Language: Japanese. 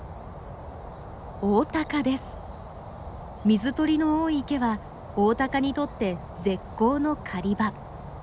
水鳥の多い池はオオタカにとって絶好の狩り場。